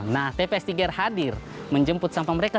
nah tps tiga r hadir menjemput sampah mereka